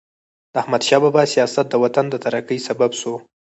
د احمدشاه بابا سیاست د وطن د ترقۍ سبب سو.